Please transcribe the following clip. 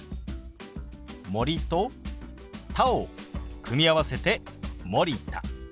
「森」と「田」を組み合わせて「森田」。